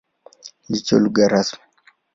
Ndicho lugha rasmi.